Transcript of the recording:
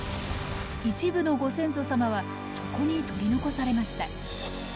一部のご先祖様はそこに取り残されました。